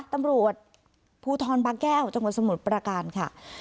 ตำรวจภูทรบางแก้วจังหวัดสมุทรประการค่ะ